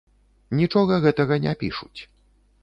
Нічога гэтага не пішуць.